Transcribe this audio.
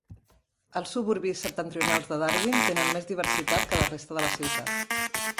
Els suburbis septentrionals de Darwin tenen més diversitat que la resta de la ciutat.